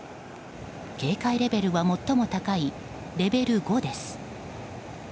警戒レベルは最も高いレベル５です。